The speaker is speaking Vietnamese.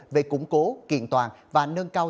về củng cố kiện toàn và nâng cao